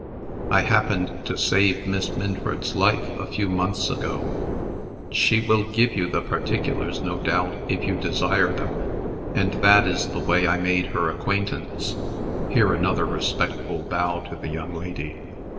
"I happened to save Miss Minford's life, a few months ago she will give you the particulars, no doubt, if you desire them and that is the way I made her acquaintance." (Here another respectful bow to the young lady.)